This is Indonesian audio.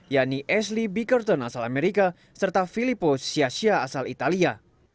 yanni ashley bickerton asal amerika serta filippo siasia asal italia